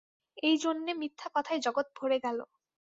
এই জন্যে মিথ্যে কথায় জগৎ ভরে গেল।